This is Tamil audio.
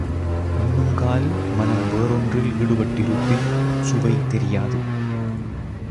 உண்ணுங்கால் மனம் வேறொன்றில் ஈடுபட்டிருப்பின் சுவை தெரியாது.